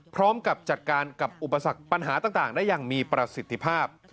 พร้อมกับจัดการกับอุปสรรคปัญหาต่างได้อย่างมีประสิทธิภาพ